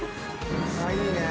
いいね。